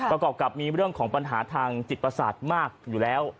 ประกอบกับมีเรื่องของปัญหาทางจิตประสาทมากอยู่แล้ว